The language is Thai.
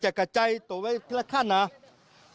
ชาวบ้านในพื้นที่บอกว่าปกติผู้ตายเขาก็อยู่กับสามีแล้วก็ลูกสองคนนะฮะ